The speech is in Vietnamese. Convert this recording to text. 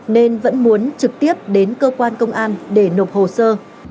nên vẫn muốn trực tiếp đến cơ quan công an để nộp hồ sơ